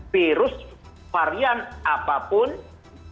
virus varian apapun dia tidak akan bisa masuk